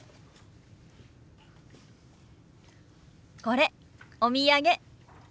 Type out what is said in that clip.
これお土産。